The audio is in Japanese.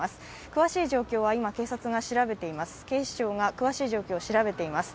詳しい状況は今、警察が調べています。